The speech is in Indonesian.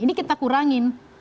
ini kita kurangin